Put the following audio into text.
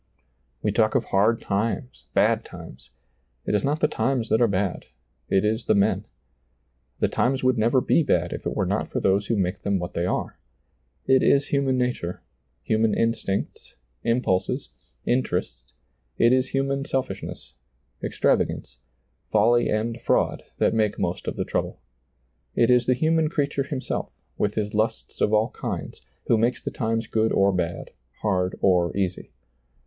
We talk of hard times, bad times ; it is not the times that are bad, it is the men. The times would never be bad if tt were not for those who make them what they are. It is human nature ; human instincts, impulses, interests; it is human selfish ness, extravagance, folly and fraud, that make most of the trouble. It is the human creature himself, with his lusts of all kinds, who makes the times good or bad, hard or easy.